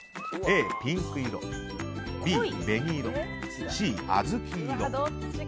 Ａ、ピンク色Ｂ、紅色Ｃ、小豆色。